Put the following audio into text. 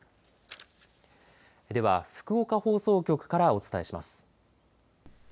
では福岡放送局からお伝えします。